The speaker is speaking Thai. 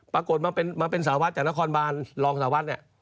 ปรากฏมาเป็นสาววัดจากนครบานรองสารวัฒน์เนี่ย